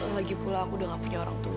lagipula aku udah gak punya orang tua